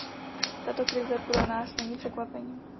Tato krize pro nás není překvapením.